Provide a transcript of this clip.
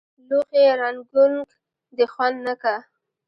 لوښي رنګونک دي خوند نۀ که